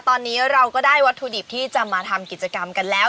ตอนนี้เราก็ได้วัตถุดิบที่จะมาทำกิจกรรมกันแล้ว